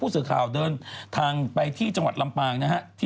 ทางมีที่ที่จังหวัดลำบาง